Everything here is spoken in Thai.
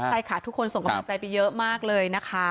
ใช่ค่ะทุกคนส่งกำลังใจไปเยอะมากเลยนะคะ